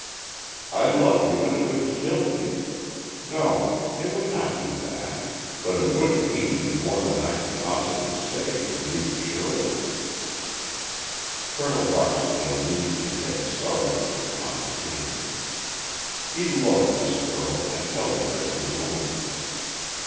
I love you and it would kill me no, it would not do that, but it would pain me more than I can possibly say, to leave Shirley." Col. Barksdale leaned his head sorrowfully upon his hand. He loved this girl and held her as his own.